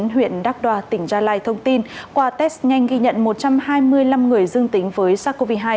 huyện đắk đoa tỉnh gia lai thông tin qua test nhanh ghi nhận một trăm hai mươi năm người dương tính với sars cov hai